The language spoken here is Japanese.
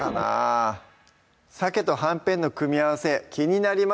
さけとはんぺんの組み合わせ気になります